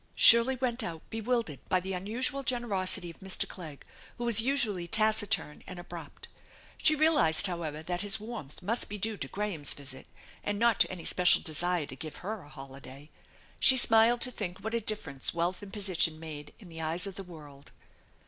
Shirley went out bewildered by the unusual generosity of Mr. Clegg, who was usually taciturn and abrupt. She realized, however, that his warmth must be due to Graham's *isit, and not to any special desire to give her a holiday. She 190 THE ENCHANTED BARN < smiled to think what a difference wealth and position made in the eyes of the world.